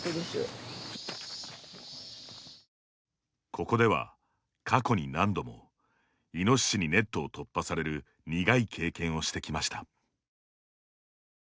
ここでは、過去に何度もイノシシにネットを突破される苦い経験をしてきました。